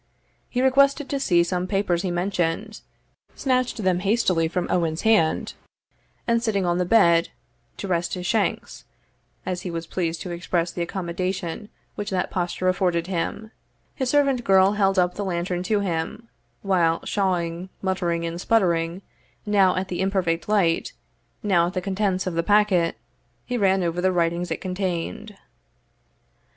He requested to see some papers he mentioned, snatched them hastily from Owen's hand, and sitting on the bed, to "rest his shanks," as he was pleased to express the accommodation which that posture afforded him, his servant girl held up the lantern to him, while, pshawing, muttering, and sputtering, now at the imperfect light, now at the contents of the packet, he ran over the writings it contained.